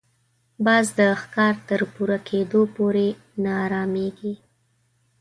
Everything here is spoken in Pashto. باز د ښکار تر پوره کېدو پورې نه اراميږي